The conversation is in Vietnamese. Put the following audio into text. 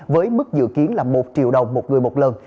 với mức dự kiến là một triệu đồng một người một lần